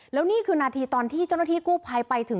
แล้วนี่คือนาทีตอนที่เจ้าหน้าที่กู้ภัยไปถึง